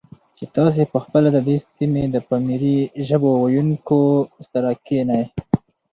چې تاسې په خپله د دې سیمې د پامیري ژبو ویونکو سره کښېنئ،